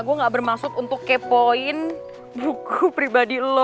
aku gak bermaksud untuk kepoin buku pribadi lo